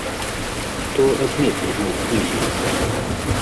Што адметнага ў кнізе?